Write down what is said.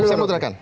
saya mau turutkan